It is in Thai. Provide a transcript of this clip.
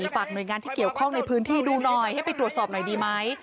ฝากหน่วยงานที่เกี่ยวข้องในพื้นที่ดูหน่อยให้ไปตรวจสอบหน่อยดีไหม